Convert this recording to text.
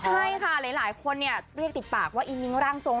ใช่ค่ะหลายคนเนี่ยเรียกติดปากว่าอิงมิ้งร่างทรง